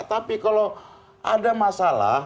tapi kalau ada masalah